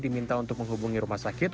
diminta untuk menghubungi rumah sakit